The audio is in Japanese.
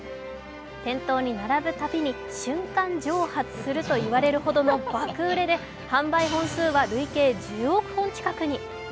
店頭に並ぶたびに瞬間蒸発するといわれるほどの爆売れで販売本数は累計１０億本近くに。